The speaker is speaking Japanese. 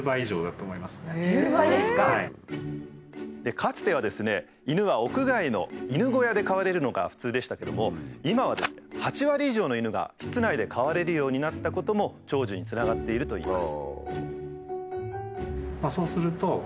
かつてはですね犬は屋外の犬小屋で飼われるのが普通でしたけども今はですね８割以上の犬が室内で飼われるようになったことも長寿につながっているといいます。